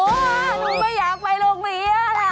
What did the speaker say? หนูไม่อยากไปโรงเรียน